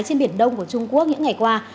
trên biển đông của trung quốc những ngày qua